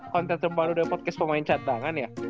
konten terbaru dari podcast pemain cadangan ya